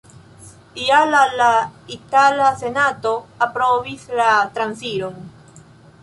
Je la la itala senato aprobis la transiron.